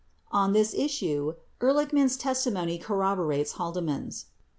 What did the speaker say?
39 On this issue, Ehrlichman's testimony corroborates Haldeman's.